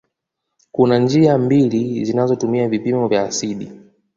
Kuna njia mbili zinazotumia vipimo vya asidi